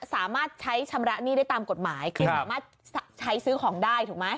สามารถใช้ชำระหนี้ได้ตามกฎหมายคือสามารถใช้ซื้อของได้ถูกไหม